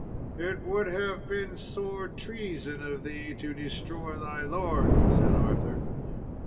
"It would have been sore treason of thee to destroy thy lord," said Arthur.